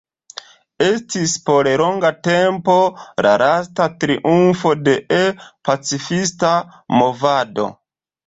Estis por longa tempo la lasta triumfo de E-pacifista movado.